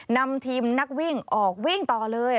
นำทีมนักวิ่งออกวิ่งต่อเลย